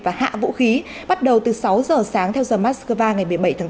và hạ vũ khí bắt đầu từ sáu giờ sáng theo giờ moscow ngày một mươi bảy tháng bốn